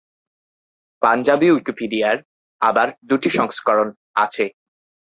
পাঞ্জাবী উইকিপিডিয়ার আবার দুটি সংস্করণ আছে।